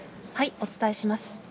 お伝えします。